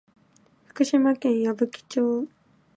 福島県矢吹町